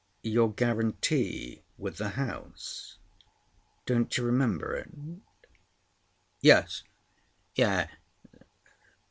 "Your guarantee with the house. Don't you remember it?" "Yes, yes.